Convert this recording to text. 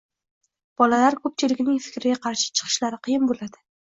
Bolalar ko‘pchilikning fikriga qarshi chiqishlari qiyin bo‘ladi.